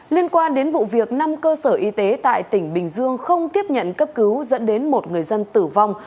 liên quan đến vụ việc năm cơ sở y tế tại tỉnh bình dương không tiếp nhận cấp cứu dẫn đến một người dân tử vong